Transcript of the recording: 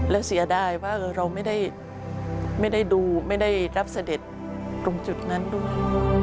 และเสียดายว่าเราไม่ได้ดูไม่ได้รับเสด็จตรงจุดนั้นด้วย